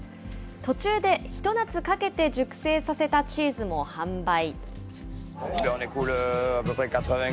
途中でひと夏かけて熟成させたチーズも販売。